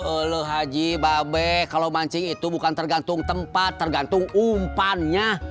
kalau haji babe kalau mancing itu bukan tergantung tempat tergantung umpannya